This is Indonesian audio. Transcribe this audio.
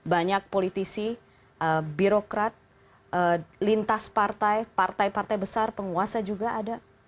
banyak politisi birokrat lintas partai partai partai besar penguasa juga ada